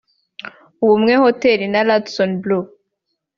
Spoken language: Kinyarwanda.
Ubumwe Hotel na Radisson Blu